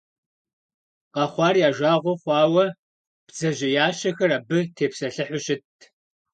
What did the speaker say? Къэхъуар я жагъуэ хъуауэ бдзэжьеящэхэр абы тепсэлъыхьу щытт.